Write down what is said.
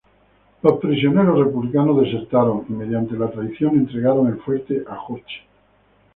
Los prisioneros republicanos desertaron y, mediante la traición, entregaron el fuerte a Hoche.